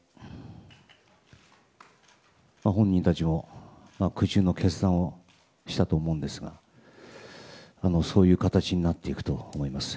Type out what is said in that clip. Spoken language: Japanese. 本人たちも苦渋の決断をしたと思うんですがそういう形になっていくと思います。